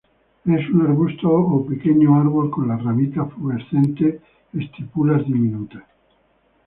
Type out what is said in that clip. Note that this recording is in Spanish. Es un arbusto o pequeño árbol con las ramitas pubescentes, estípulas diminutas.